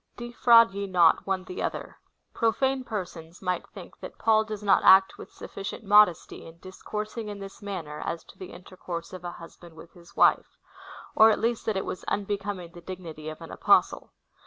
5. Defi^QAid ye not one the other. Profane persons might think that Paul does not act with sufficient modesty in dis coursing in this manner as to the intercourse of a husband with his wife ; or at least that it was unbecoming the dignity of an Apostle.